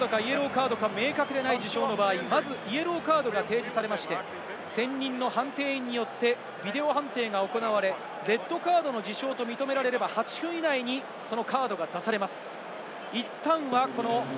レッドカードからイエローカードが明確でない場合、まずイエローカードが提示されて、専任の判定員によってビデオ判定が行われ、レッドカードの事象と認められると８分以内にそのカードが出されます。